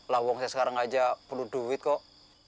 lah uang saya sekarang aja penuh duit kok